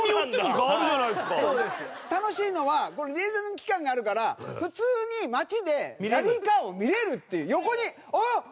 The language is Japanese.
だから楽しいのはリエゾン区間があるから普通に街でラリーカーを見れるっていう。